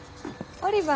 オリバー